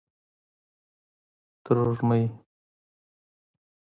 ترژومۍ